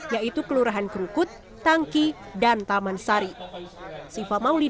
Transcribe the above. yaitu kelurahan krukut tangki dan taman sari